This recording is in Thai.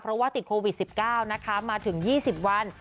เพราะว่าติดโควิด๑๙นะคะมาถึง๒๐วัน